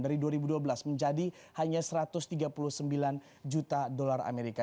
dari dua ribu dua belas menjadi hanya satu ratus tiga puluh sembilan juta dolar amerika